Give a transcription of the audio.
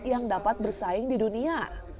yang dapat bersaing di dunia